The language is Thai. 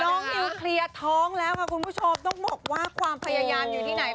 นิวเคลียร์ท้องแล้วค่ะคุณผู้ชมต้องบอกว่าความพยายามอยู่ที่ไหน